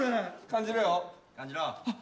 感じろよ。